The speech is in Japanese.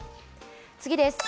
次です。